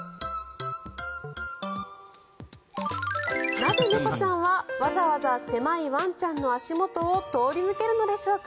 なぜ猫ちゃんはわざわざ狭いワンちゃんの足元を通り抜けるのでしょうか。